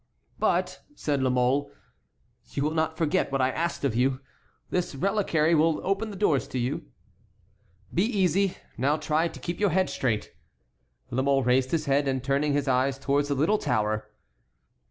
"But," said La Mole, "you will not forget what I asked of you? This reliquary will open the doors to you." "Be easy. Now try to keep your head straight." La Mole raised his head and turned his eyes towards the little tower.